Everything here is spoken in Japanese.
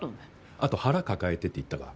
あと「腹抱えて」って言ったか。